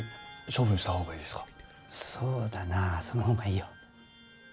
そうだなその方がいいよ。